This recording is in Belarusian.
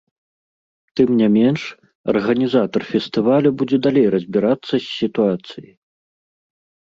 Тым не менш, арганізатар фестываля будзе далей разбірацца з сітуацыяй.